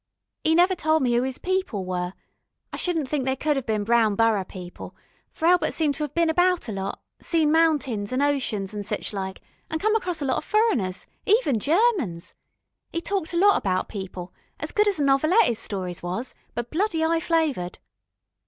'E never tol' me 'oo 'is people were; I shouldn't think they could 'ave bin Brown Borough people, for Elbert seemed to 'ave bin about a lot, seen mountains an' oceans an' sichlike, an' come acrost a lot of furriners even Germans. 'E talked a lot about people as good as a novelette 'is stories was, but bloody 'igh flavoured.